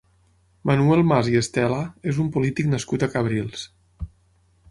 Manuel Mas i Estela és un polític nascut a Cabrils.